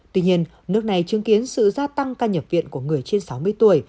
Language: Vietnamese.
tuy nhiên nước này chứng kiến sự gia tăng ca nhập viện của người trên sáu mươi tuổi